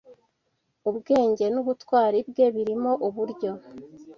ubwenge n’ubutwari bwe birimo uburyo